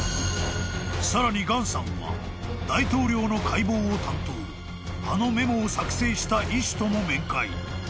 ［さらにガンさんは大統領の解剖を担当あのメモを作成した医師とも面会］